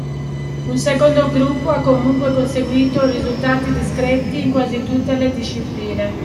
Un secondo gruppo ha comunque conseguito risultati discreti in quasi tutte le discipline.